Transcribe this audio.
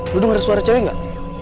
lo denger suara cewek gak